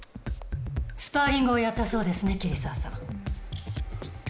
スパーリングをやったそうですね桐沢さん。